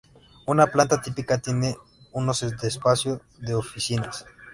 Una planta típica tiene unos de espacio de oficinas.